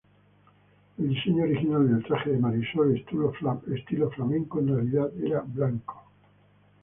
El diseño original del traje de Marisol, estilo flamenco, en realidad era blanco.